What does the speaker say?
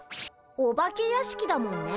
お化け屋敷だもんね。